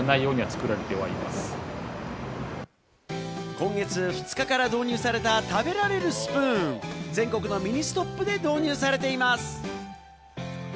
今月２日から導入された食べられるスプーン、全国のミニストップで導入されています。